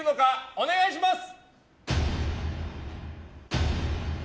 お願いします！